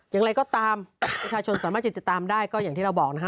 อย่างไรก็ตามประชาชนสามารถจะติดตามได้ก็อย่างที่เราบอกนะฮะ